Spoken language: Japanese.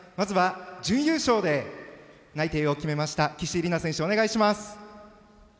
まず準優勝で内定を決めた岸里奈選手、お願いします。